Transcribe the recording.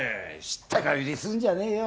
知ったかぶりすんじゃねえよ。